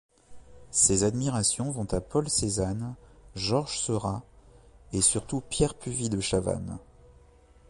Ses admirations vont à Paul Cézanne, Georges Seurat, et surtout Pierre Puvis de Chavannes.